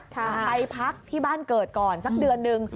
ไปพักที่บ้านเกิดก่อนสักเดือนนึง